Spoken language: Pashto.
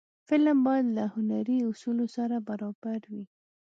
فلم باید له هنري اصولو سره برابر وي